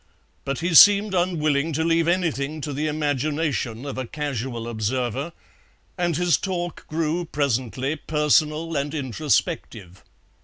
But he seemed unwilling to leave anything to the imagination of a casual observer, and his talk grew presently personal and introspective.